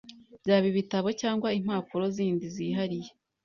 byaba ibitabo cyangwa impapuro zindi zihariye.